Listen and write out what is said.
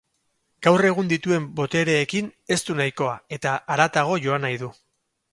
Gaur egun dituen botereekin ez du nahikoa, eta haratago joan nahi du.